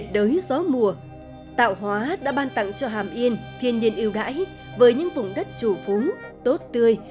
đới gió mùa tạo hóa đã ban tặng cho hàm yên thiên nhiên yêu đáy với những vùng đất chủ phúng tốt tươi